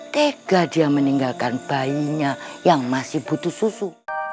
tega dia meninggalkan bayinya yang masih butuh susu